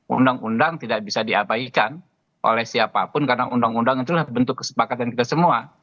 undang undang tidak bisa diabaikan oleh siapapun karena undang undang itulah bentuk kesepakatan kita semua